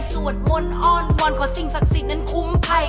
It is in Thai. สวดมนต์อ้อนวอนขอสิ่งศักดิ์สิทธิ์นั้นคุ้มภัย